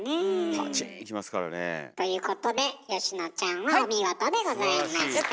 パチーンきますからねえ。ということで佳乃ちゃんはお見事でございました。